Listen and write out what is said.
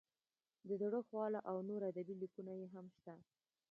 د زړه خواله او نور ادبي لیکونه یې هم شته.